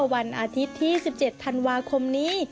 วันอาทิตย์ที่๑๗ธันวาคมนี้